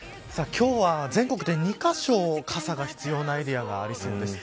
今日は全国で２カ所傘が必要なエリアがありそうです。